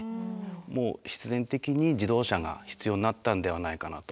もう必然的に自動車が必要になったんではないかなと。